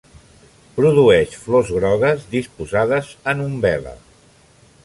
Produeix flors grogues disposades en umbel·la.